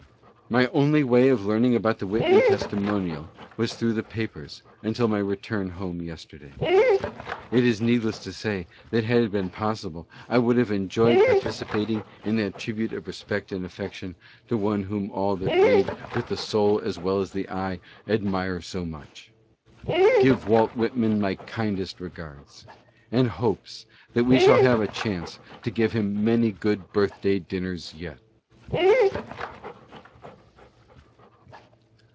My only way of learning of the Whitman Testimonial was through the papers, until my return home yesterday. It is need less to say, that had it been possible, I should have enjoyed par ticipating in that tribute of respect and affection to one whom all that read with the soul as well as the eye admire so much. Give Walt Whitman my kindest regards, and hopes that we shall have a chance to give him a good many birthday dinners yet.